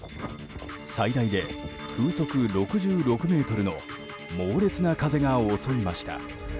最大で風速６６メートルの猛烈な風が襲いました。